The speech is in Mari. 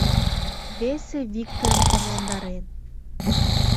Весе Викторым орландарен.